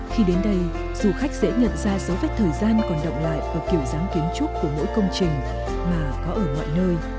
khi đến đây du khách dễ nhận ra dấu vết thời gian còn động lại ở kiểu dáng kiến trúc của mỗi công trình mà có ở mọi nơi